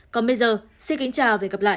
còn bây giờ xin kính chào và hẹn gặp lại